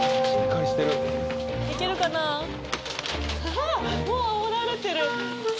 あっもうあおられてる！